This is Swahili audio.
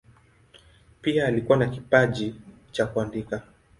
Pia alikuwa na kipaji cha kuandika.